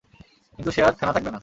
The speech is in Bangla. কিন্তু সে আর থেনা থাকবে না।